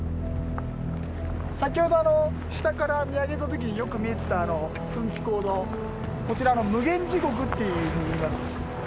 先ほど下から見上げた時によく見えてたあの噴気孔のこちら「無間地獄」っていうふうに言います。